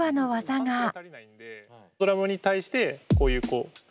ドラムに対してこういうこう。